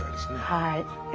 はい。